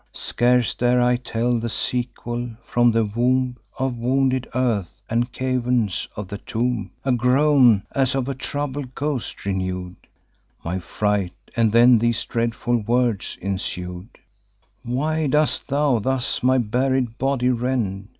Scarce dare I tell the sequel: from the womb Of wounded earth, and caverns of the tomb, A groan, as of a troubled ghost, renew'd My fright, and then these dreadful words ensued: 'Why dost thou thus my buried body rend?